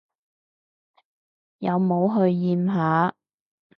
有冇去驗下？